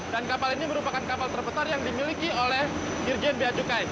dan kapal ini merupakan kapal terbesar yang dimiliki oleh dirjen ba cukai